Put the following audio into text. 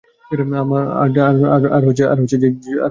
আর যে করে, সে ভাবে না।